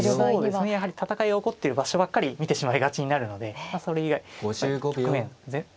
そうですねやはり戦いが起こっている場所ばっかり見てしまいがちになるのでそれ以外局面盤面全体を見て